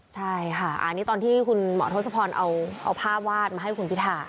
ใช่ค่ะอันนี้ตอนที่คุณหมอทศพรเอาภาพวาดมาให้คุณพิธา